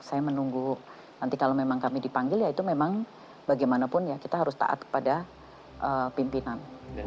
saya menunggu nanti kalau memang kami dipanggil ya itu memang bagaimanapun ya kita harus taat kepada pimpinan